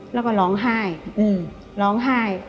แล้วก็ร้องไห้